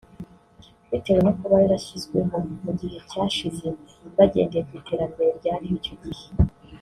bitewe no kuba yarashyizweho mu gihe cyashize bagendeye ku iterambere ryariho icyo gihe